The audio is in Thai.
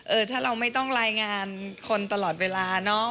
ถ้าเราไม่ต้องรายงานคนตลอดเวลาเนอะ